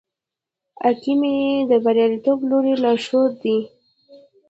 اکامي د بریالیتوب لوی لارښود دی.